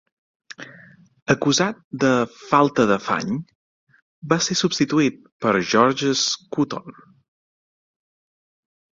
Acusat de "falta d'afany", va ser substituït per Georges Couthon.